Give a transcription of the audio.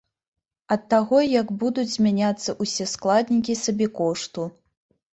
Ад таго, як будуць змяняцца ўсе складнікі сабекошту.